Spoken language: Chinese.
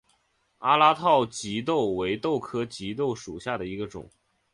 阿拉套棘豆为豆科棘豆属下的一个种。